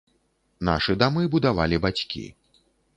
Нашы дамы будавалі бацькі.